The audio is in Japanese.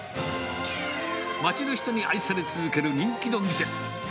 町の人に愛され続ける人気の店。